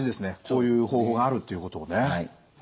こういう方法があるっていうことをね。